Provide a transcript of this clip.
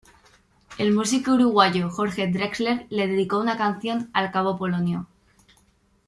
El músico uruguayo Jorge Drexler le dedicó una canción al cabo Polonio.